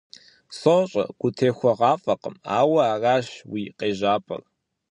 СощӀэ, гутехуэгъуафӀэкъым, ауэ аращ уи къежьапӀэр.